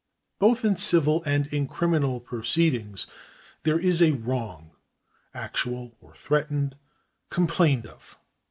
Both in civil and in criminal proceedings there is a wrong (actual or threatened) complained of.